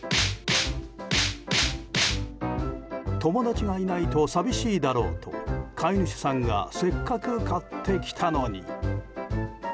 友達がいないと寂しいだろうと飼い主さんがせっかく買ってきたのに。